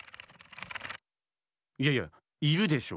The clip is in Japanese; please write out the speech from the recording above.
いやいやいるでしょ。